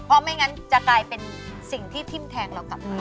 เพราะไม่งั้นจะกลายเป็นสิ่งที่ทิ้มแทงเรากลับมา